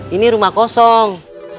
ini rumah kosong